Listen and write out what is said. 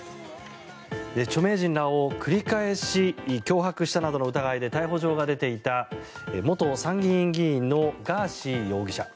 著名人らを繰り返し脅迫したなどの疑いで逮捕状が出ていた元参議院議員のガーシー容疑者。